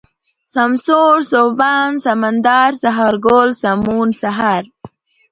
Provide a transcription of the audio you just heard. سمسور ، سوبمن ، سمندر ، سهارگل ، سمون ، سحر